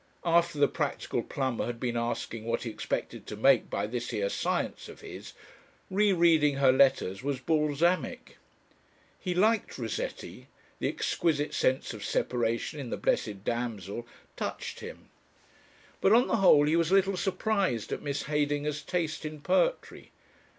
After the practical plumber had been asking what he expected to make by this here science of his, re reading her letters was balsamic. He liked Rossetti the exquisite sense of separation in "The Blessed Damozel" touched him. But, on the whole, he was a little surprised at Miss Heydinger's taste in poetry.